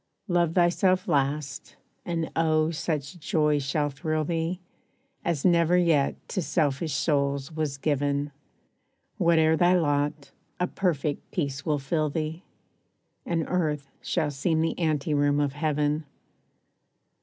Love thyself last; and oh, such joy shall thrill thee, As never yet to selfish souls was given. Whate'er thy lot, a perfect peace will fill thee, And earth shall seem the ante room of Heaven.